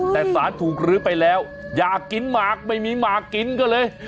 แต่สารถูกลื้อไปแล้วอยากกินหมากไม่มีหมากกินก็เลย